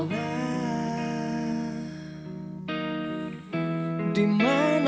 aku tak tahu